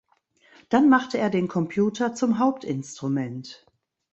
Dann machte er den Computer zum Hauptinstrument.